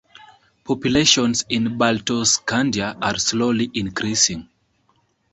Populations in Baltoscandia are slowly increasing.